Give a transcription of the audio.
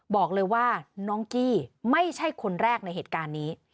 บอกเลยว่าน้องกี้ไม่ใช่คนแรกในเหตุการณ์นี้